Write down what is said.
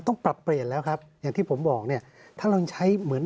ต้องปรับเปลี่ยนแล้วครับอย่างที่ผมบอกเนี่ยถ้าเราใช้เหมือน